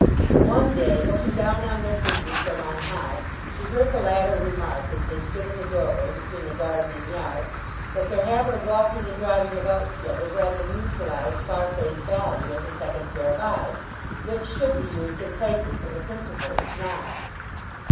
One day, looking down on their figures from on high, she heard the latter remark, as they stood in the doorway between the garden and yard, that their habit of walking and driving about together rather neutralized Farfrae's value as a second pair of eyes, which should be used in places where the principal was not.